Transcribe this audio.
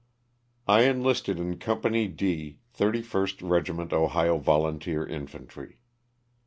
T ENLISTED in Company D, 31st Eegiment Ohio ^ Volunteer Infantry.